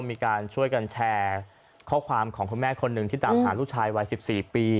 มีการช่วยกันแชร์ข้อความของคุณแม่คนหนึ่งที่ตามหาลูกชายวัย๑๔ปี